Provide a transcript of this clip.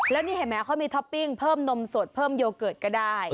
แล้วนี่เห็นไหมเขามีท็อปปิ้งเพิ่มนมสดเพิ่มโยเกิร์ตก็ได้